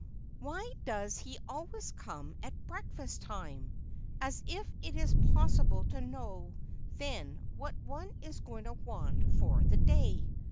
"Why does he always come at breakfast time? As if it is possible to know then what one is going to want for the day!